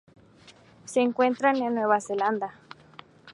Se encuentran en Nueva Zelanda.